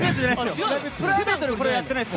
プライベートでこれやってないです！